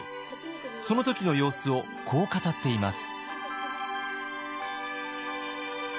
その時の様子をこう語っています。